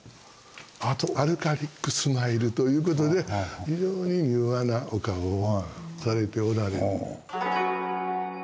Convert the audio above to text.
あとアルカイックスマイルということで非常に柔和なお顔をされておられる。